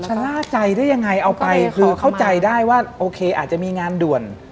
ชะล่าใจได้ยังไงเอาไปคือเข้าใจได้ว่าโอเคอาจจะมีงานด่วน